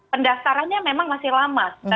pendasarannya memang masih lama